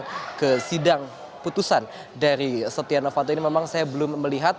dan ke sidang putusan dari setia novanto ini memang saya belum melihat